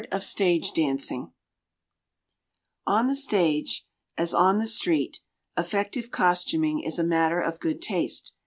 165 STAGE COSTUMES ON THE stage, as on the street, effective costuming is a matter of good taste.